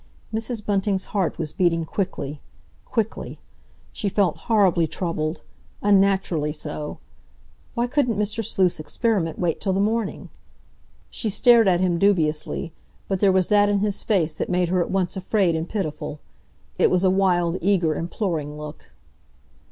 Mrs. Bunting's heart was beating quickly—quickly. She felt horribly troubled, unnaturally so. Why couldn't Mr. Sleuth's experiment wait till the morning? She stared at him dubiously, but there was that in his face that made her at once afraid and pitiful. It was a wild, eager, imploring look.